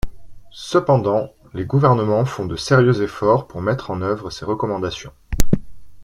Cependant, les gouvernements font de sérieux efforts pour mettre en œuvre ces recommandations.